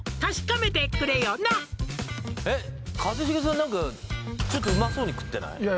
一茂さん何かちょっとうまそうに食ってない？